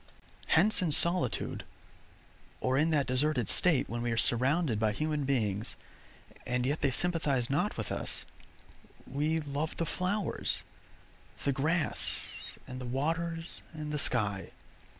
Hence in solitude, or in that deserted state when we are surrounded by human beings, and yet they sympathize not with us, we love the flowers, the grass, and the waters, and the sky.